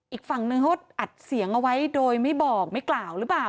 อีกฝั่งนึงเขาอัดเสียงเอาไว้โดยไม่บอกไม่กล่าวหรือเปล่า